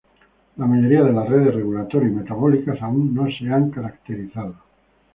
La mayoría de las redes regulatorias y metabólicas aún no se han caracterizado.